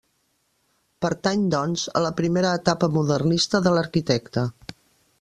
Pertany doncs a la primera etapa modernista de l'arquitecte.